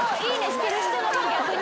してる人の方が逆に。